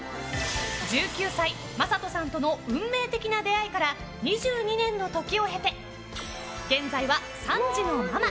１９歳、魔裟斗さんとの運命的な出会いから２２年の時を経て現在は３児のママ。